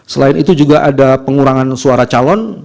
selain itu juga ada pengurangan suara calon